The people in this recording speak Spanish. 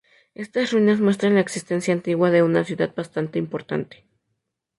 Estas ruinas muestran la existencia antigua de una ciudad bastante importante.